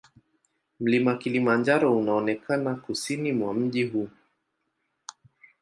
Mlima Kilimanjaro unaonekana kusini mwa mji huu.